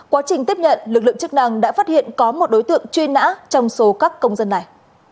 quá trình tiếp nhận lực lượng chức năng đã phát hiện có một đối tượng truy nã trong số các công dân này